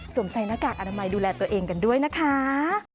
ใส่หน้ากากอนามัยดูแลตัวเองกันด้วยนะคะ